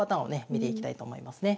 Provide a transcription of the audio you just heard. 見ていきたいと思いますね。